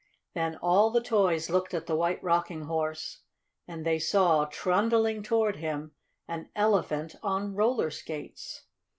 Then all the toys looked at the White Rocking Horse, and they saw, trundling toward him, an Elephant on roller skates.